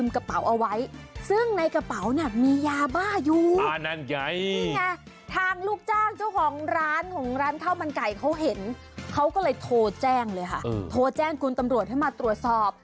เขาก็เลยโทรแจ้งเลยค่ะโทรแจ้งคุณตำรวจให้มาตรวจสอบ